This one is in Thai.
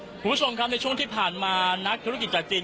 คุณผู้ชมครับในช่วงที่ผ่านมานักธุรกิจจากจีน